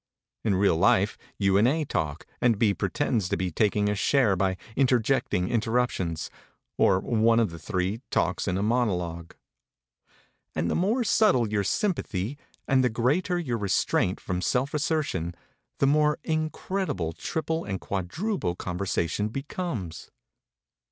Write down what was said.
In real life you and A talk, and B pretends to be taking a share by interjecting interruptions, or one of the three talks a monologue. And the more subtle your sympathy and the greater your restraint from self assertion, the more incredible triple and quadruple conversation becomes.